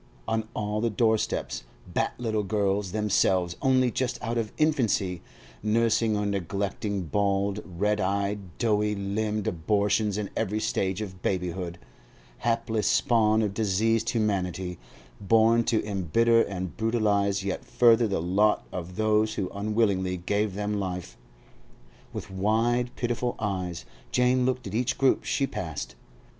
On all the doorsteps sat little girls, themselves only just out of infancy, nursing or neglecting bald, red eyed, doughy limbed abortions in every stage of babyhood, hapless spawn of diseased humanity, born to embitter and brutalise yet further the lot of those who unwillingly gave them life. With wide, pitiful eyes Jane looked at each group she passed.